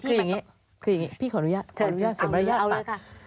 คืออย่างงี้คืออย่างงี้พี่ขออนุญาตขออนุญาตเสียบรัยญาตเอาเลยค่ะ